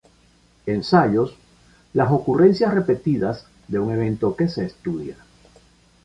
Ensayos: Las ocurrencias repetidas de un evento que se estudia.